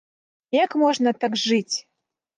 Як можна так жыць?